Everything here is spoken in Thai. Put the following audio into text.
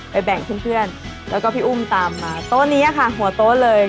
แบ่งเพื่อนแล้วก็พี่อุ้มตามมาโต๊ะนี้ค่ะหัวโต๊ะเลย